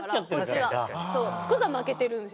服が負けてるんですよ。